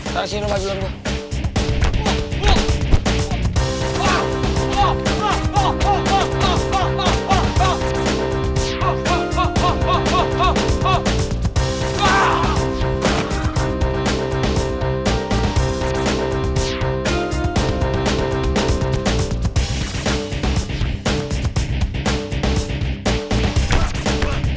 kasih nomor dulu